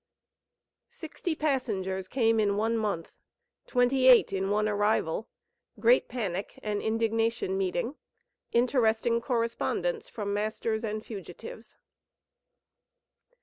SIXTY PASSENGERS CAME IN ONE MONTH TWENTY EIGHT IN ONE ARRIVAL GREAT PANIC AND INDIGNATION MEETING INTERESTING CORRESPONDENCE FROM MASTERS AND FUGITIVES.